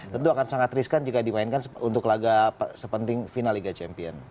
tentu akan sangat riskan jika dimainkan untuk laga sepenting final liga champion